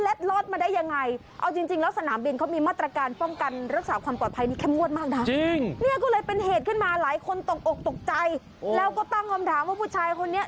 แล้วก็ต้องคำถามว่าผู้ชายคนเนี้ย